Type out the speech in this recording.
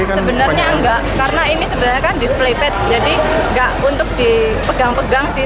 sebenarnya enggak karena ini sebenarnya kan display pad jadi nggak untuk dipegang pegang sih